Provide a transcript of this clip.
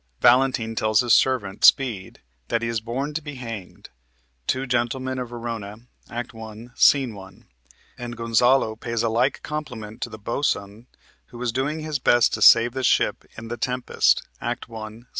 Valentine tells his servant, Speed, that he is born to be hanged (Two Gentlemen of Verona, Act 1, Sc. 1), and Gonzalo pays a like compliment to the boatswain who is doing his best to save the ship in the "Tempest" (Act 1, Sc.